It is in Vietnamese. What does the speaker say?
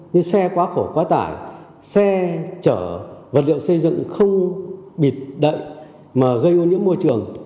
như xe quá khổ quá tải xe chở vật liệu xây dựng không bịt đậy mà gây ô nhiễm môi trường